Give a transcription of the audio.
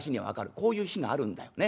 こういう日があるんだよね。